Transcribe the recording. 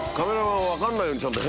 分かんないようにちゃんと。